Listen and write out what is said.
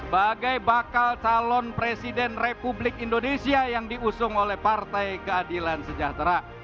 sebagai bakal calon presiden republik indonesia yang diusung oleh partai keadilan sejahtera